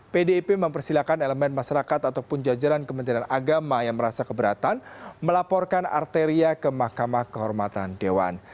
pdip mempersilahkan elemen masyarakat ataupun jajaran kementerian agama yang merasa keberatan melaporkan arteria ke mahkamah kehormatan dewan